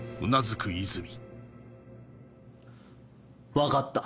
分かった。